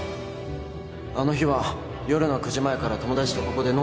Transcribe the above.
あの日は夜の９時前から友達とここで飲んでたんだ